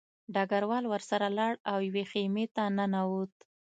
ډګروال ورسره لاړ او یوې خیمې ته ننوت